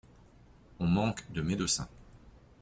On manque de médecins.